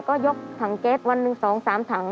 ก็ยกถังเก็ตวันหนึ่งสองสามถัง